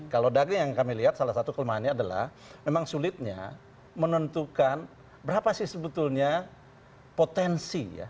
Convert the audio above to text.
kalau daging yang kami lihat salah satu kelemahannya adalah memang sulitnya menentukan berapa sih sebetulnya potensi ya